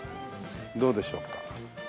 どうでしょうか。